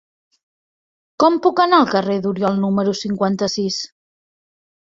Com puc anar al carrer d'Oriol número cinquanta-sis?